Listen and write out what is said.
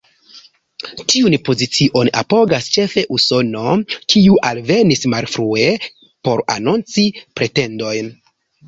Tiun pozicion apogas ĉefe Usono, kiu alvenis malfrue por anonci pretendojn.